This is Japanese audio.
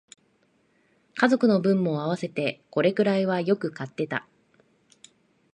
家族の分も合わせてこれくらいはよく買ってた